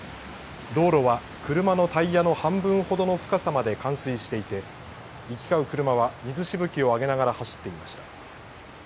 道路は車のタイヤの半分ほどの深さまで冠水していて行き交う車は水しぶきを上げながら走っていました。